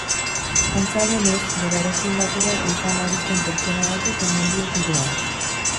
Antza denez, berarekin batera ehizan ari zen pertsona batek eman dio tiroa.